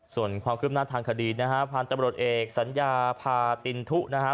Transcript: ส่วนความคืบหน้าทางคดีนะฮะพันธุ์ตำรวจเอกสัญญาพาตินทุนะฮะ